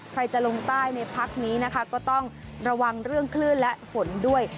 ใครจะลงใต้ในพักนี้นะคะก็ต้องระวังเรื่องคลื่นและฝนด้วย